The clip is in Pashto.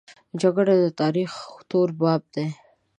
جګړه د تاریخ تور باب دی